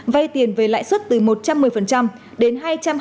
vay tiền về lãi xuất từ một trăm một mươi đến hai trăm hai mươi